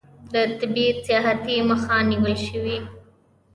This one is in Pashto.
د طبي سیاحت مخه نیول شوې؟